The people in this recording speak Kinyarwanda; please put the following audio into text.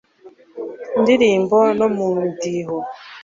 ndirimbo no mu mudiho